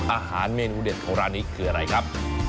อาหารเมนูเด็ดของร้านนี้คืออะไรครับ